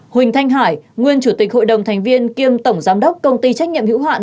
huỳnh thanh hải nguyên chủ tịch hội đồng thành viên kiêm tổng giám đốc công ty trách nhiệm hữu hạn